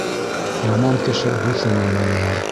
Яман кеше дуҫын яманлар.